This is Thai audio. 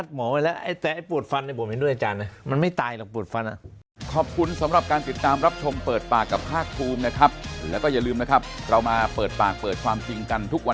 หมายถึงตอนเลื่อนหรือครับใช่เพราะเขาบอกว่านัดหมอไว้แล้วนะครับ